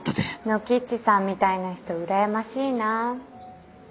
ノキッチさんみたいな人うらやましいなぁ。